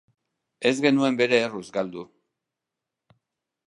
Ez genuen bere erruz galdu.